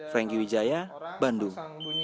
franky wijaya bandung